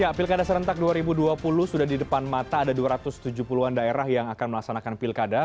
ya pilkada serentak dua ribu dua puluh sudah di depan mata ada dua ratus tujuh puluh an daerah yang akan melaksanakan pilkada